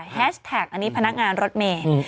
แฮชแท็กอันนี้พนักงานรถเมย์